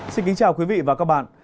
xin kính chào quý vị và các bạn